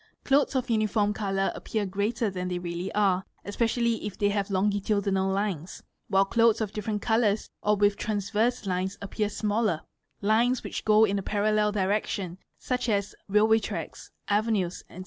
Clothes of uniform colour appear greater than they really are, especially if they have longitudinal lines, while clothes of different colours or with transverse lines appear smaller; lines which go in a parallel direction, such as railway tracks, avenues, &c.